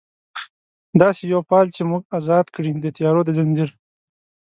داسي یو فال چې موږ ازاد کړي، د تیارو د ځنځیر